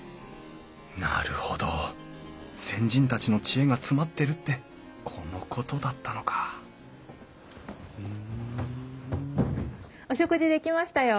なるほど先人たちの知恵が詰まってるってこのことだったのかお食事出来ましたよ。